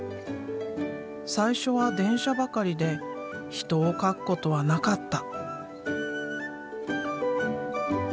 最初は電車ばかりで人を描くことはなかった。